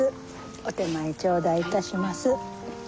お点前頂戴致します。